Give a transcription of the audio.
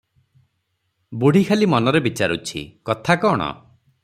ବୁଢୀ ଖାଲି ମନରେ ବିଚାରୁଛି, କଥା କଣ?